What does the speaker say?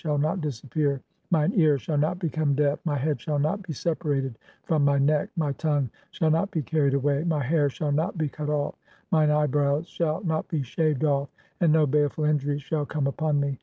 shall not "disappear; mine ear shall not become deaf; my head shall not "be separated from my neck ; my tongue shall not be carried "away; my hair shall not (20) be cut off; mine eyebrows shall "not be shaved off; and no baleful injury shall come upon me.